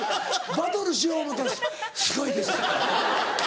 バトルしよう思ったら「すごいです」。